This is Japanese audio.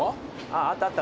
あったあった。